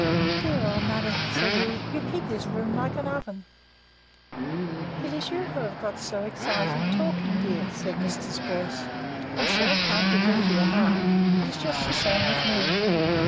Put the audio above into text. "Dear old mother," said he, "you keep this room like an oven." "It is you who have got so excited talking, dear," said Mrs. Boyce. "I'm sure it can't be good for your heart. It is just the same with me.